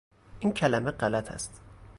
این کلمه غلط است